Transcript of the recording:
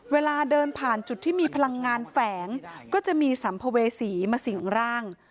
เวลาเดินผ่านจุดที่มีพลังงานแฝงก็จะมีสัมภเวษีมาสิ่งร่าง